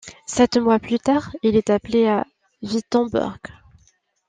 Sept mois plus tard il est appelé à Wittemberg.